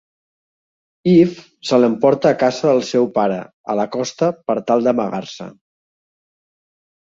Eve se l'emporta a casa del seu pare, a la costa, per tal d'amagar-se.